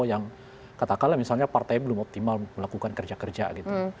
yang katakanlah misalnya partai belum optimal melakukan kerja kerja gitu